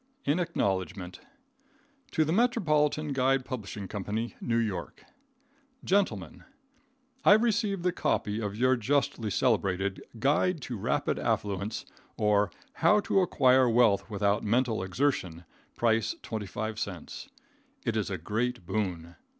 In Acknowledgement. To The Metropolitan Guide Publishing Co., New York. Gentlemen. I received the copy of your justly celebrated "Guide to rapid Affluence, or How to Acquire Wealth Without Mental Exertion," price twenty five cents. It is a great boon.